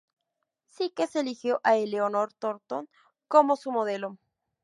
Sykes eligió a Eleanor Thornton como su modelo.